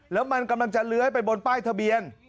แล้วมันกำลังจะเลื้อยไปบนป้ายทะเบียน